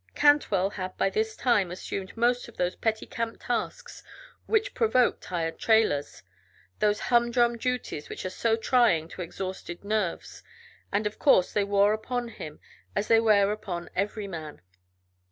Cantwell had by this time assumed most of those petty camp tasks which provoke tired trailers, those humdrum duties which are so trying to exhausted nerves, and of course they wore upon him as they wear upon every man.